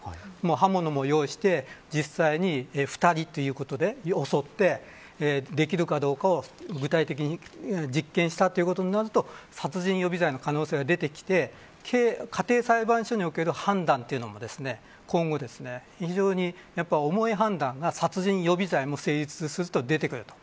刃物も用意して、実際に２人ということで襲ってできるかどうかを具体的に実験したということになると殺人予備罪の可能性が出てきて家庭裁判所における判断というのも今後非常に重い判断が殺人予備罪も成立すると、出てくると。